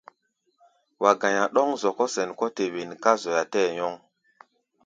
Wa ga̧i̧á̧ ɗɔ̌ŋ-zɔkɔ́ sɛn kɔ́ te wen ká zoya tɛɛ́ nyɔŋ.